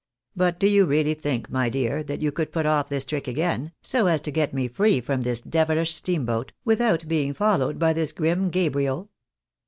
But do you really think, my dear, that you could put olf this trick again, so as to get me free from this deviUsh steam boat, without being followed by this grim Gabriel?